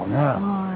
はい。